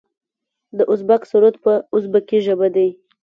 د ازبک سرود په ازبکي ژبه دی.